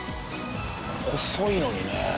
細いのにね。